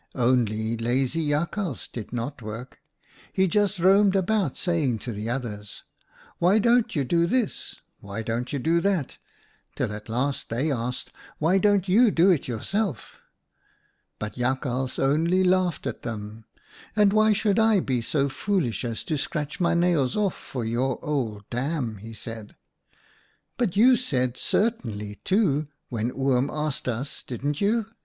Only lazy Jakhals did not work. He just roamed round saying to the others, ' Why don't you do this ?'* Why don't you do that?' till at last they asked, ' Why don't you do it yourself?' " But Jakhals only laughed at them. 'And why should I be so foolish as to scratch my nails off for your old dam ?' he said. "' But you said " Certainly," too, when Oom asked us, didn't you